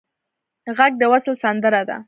غږ د وصل سندره ده